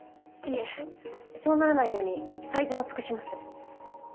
いえそうならないように最善を尽くします。